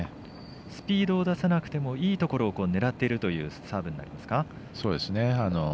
スピードを出さなくてもいいところを狙っているというサーブになりますか。